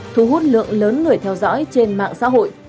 thu hút lượng lớn người theo dõi trên mạng xã hội